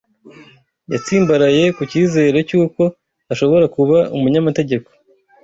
Yatsimbaraye ku cyizere cy'uko ashobora kuba umunyamategeko.